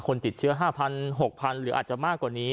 คนติดเชื้อ๕๐๐๖๐๐๐หรืออาจจะมากกว่านี้